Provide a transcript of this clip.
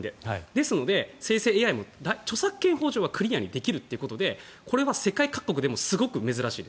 ですから、生成ＡＩも著作権法上はクリアにできるということでこれは世界各国でもすごく珍しい。